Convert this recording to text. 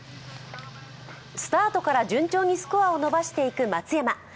スタートから順調にスコアを伸ばしていく松山。